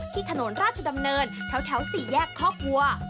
ถนนราชดำเนินแถว๔แยกคอกวัว